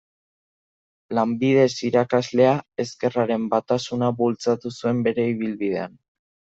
Lanbidez irakaslea, ezkerraren batasuna bultzatu zuen bere ibilbidean.